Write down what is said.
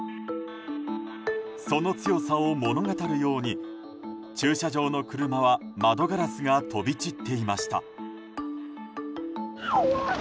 その強さを物語るように駐車場の車は窓ガラスが飛び散っていました。